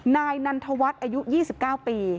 นายนันทวัฒน์อายุ๒๙ปี